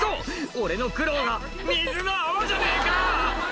「俺の苦労が水の泡じゃねえか！」